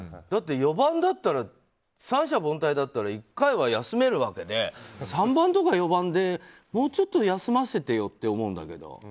だって、４番だったら三者凡退だったら１回は休めるわけで３番とか４番でもうちょっと休ませてよって思うんだけど。